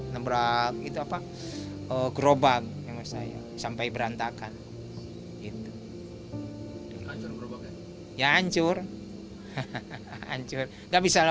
nabrak itu apa gerobak sama saya sampai berantakan itu hancur ya hancur nggak bisa